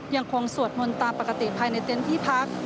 ยังคงสวดมนตร์ตามปกติภายในเต็มที่พัก